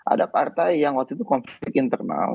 ada partai yang waktu itu konflik internal